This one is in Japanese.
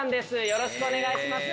よろしくお願いします！